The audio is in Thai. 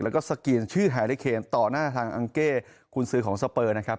แล้วก็สกรีนชื่อไฮริเคนต่อหน้าทางอังเก้กุญสือของสเปอร์นะครับ